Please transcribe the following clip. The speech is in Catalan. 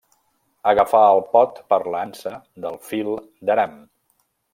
Agafà el pot per l'ansa de fil d'aram.